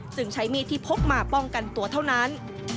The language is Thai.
ใช้มีดที่พกมาป้องกันตัวเท่านั้น